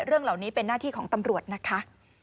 เรื่องเหล่านี้เป็นหน้าที่ของตำรวจนะคะ